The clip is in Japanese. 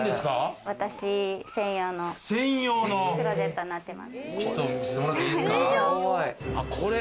私専用のクローゼットになってます。